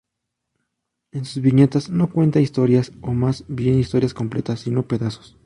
En sus viñetas no cuenta historias o más bien historias completas, sino pedazos.